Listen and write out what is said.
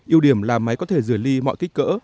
yêu điểm là máy có thể rửa ly mọi kích cỡ